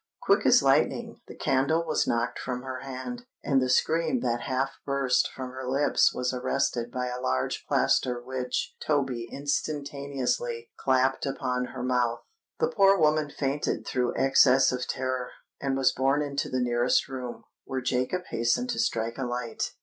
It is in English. Quick as lightning, the candle was knocked from her hand, and the scream that half burst from her lips was arrested by a large plaster which Toby instantaneously clapped upon her mouth. The poor woman fainted through excess of terror, and was borne into the nearest room, where Jacob hastened to strike a light.